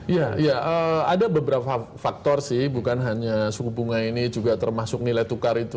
iya ada beberapa faktor sih bukan hanya suku bunga ini juga termasuk nilai tukar itu